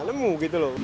lemuk itu loh